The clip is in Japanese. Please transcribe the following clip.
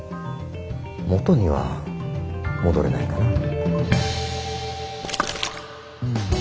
元には戻れないかなぁ。